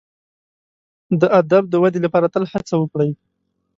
د ادب د ودي لپاره تل هڅه وکړئ.